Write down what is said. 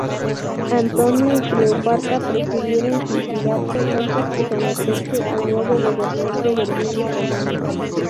Antonio y Cleopatra prefirieron suicidarse antes que someterse al nuevo gobernante del mundo romano.